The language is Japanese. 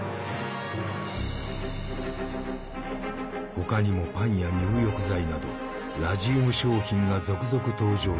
他にもパンや入浴剤などラジウム商品が続々登場した。